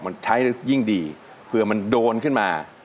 มันใช้แล้วยิ่งดีเผื่อมันโดนขึ้นมา